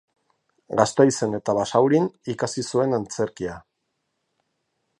Gasteizen eta Basaurin ikasi zuen antzerkia.